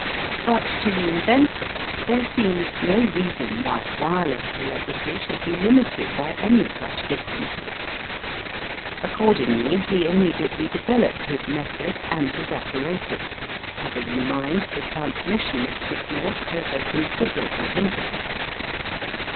But to the inventor there seemed no reason why wireless telegraphy should be limited by any such distances. Accordingly he immediately developed his method and his apparatus, having in mind the transmission of signals over considerable intervals.